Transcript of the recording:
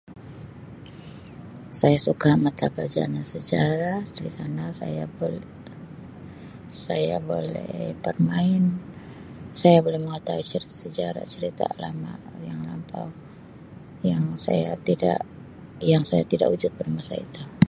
Saya suka mata pelajaran sejarah oleh kerana saya bol saya boleh bermain saya boleh mengetahui cerita sejarah cerita lama yang lampau yang saya tidak yang saya tidak wujud pada masa itu.